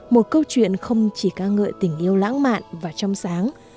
một câu chuyện không chỉ ca ngợi tình yêu lãng mạn và trong sáng